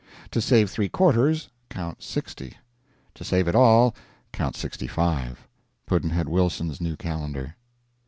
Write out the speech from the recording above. To save three quarters, count sixty. To save it all, count sixty five. Pudd'nhead Wilson's New Calendar.